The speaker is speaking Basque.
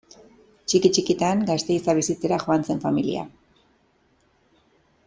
Txiki-txikitan Gasteiza bizitzera joan zen familia.